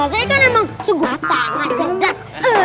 saya kan emang sungguh sangat cerdas